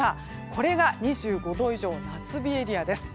これが２５度以上の夏日エリアです。